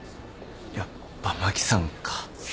やっぱ牧さんか。